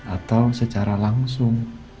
atau secara langsung